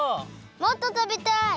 もっとたべたい！